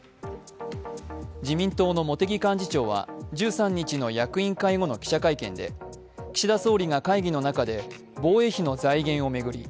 自民党の茂木幹事長は１３日の役員会後の記者会見で岸田総理が会議の中で防衛費の財源を巡り